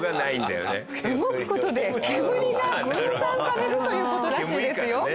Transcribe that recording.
動く事で煙が分散されるという事らしいですよ。